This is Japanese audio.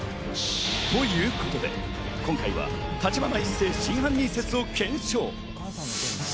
ということで今回は橘一星真犯人説を検証。